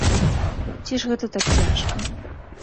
Ці ж гэта так цяжка?